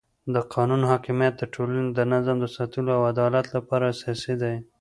د قانون حاکمیت د ټولنې د نظم د ساتلو او عدالت لپاره اساسي دی